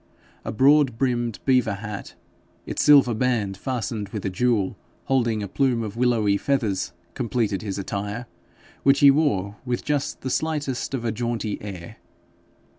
A broad brimmed beaver hat, its silver band fastened with a jewel holding a plume of willowy feathers, completed his attire, which he wore with just the slightest of a jaunty air.